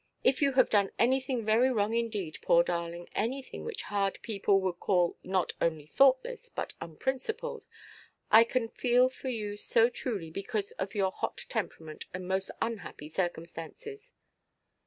If you have done anything very wrong indeed, poor darling, anything which hard people would call not only thoughtless but unprincipled, I can feel for you so truly, because of your hot temperament and most unhappy circumstances."